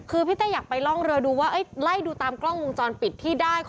คือพี่เต้อยากไปร่องเรือดูว่าไล่ดูตามกล้องวงจรปิดที่ได้